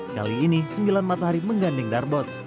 kali ini sembilan matahari mengganding darbot